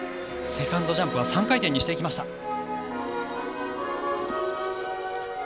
セカンドジャンプは３回転にしていきました。